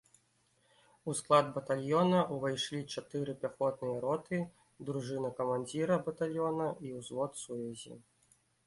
У склад батальёна ўвайшлі чатыры пяхотныя роты, дружына камандзіра батальёна і ўзвод сувязі.